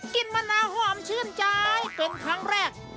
มะนาวหอมชื่นใจเป็นครั้งแรก